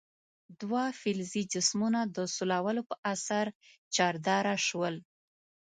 دوه فلزي جسمونه د سولولو په اثر چارجداره شول.